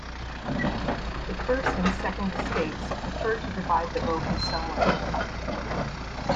The First and Second Estates preferred to divide the vote in some way.